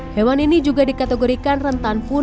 hewan ini juga dikategorikan rentan full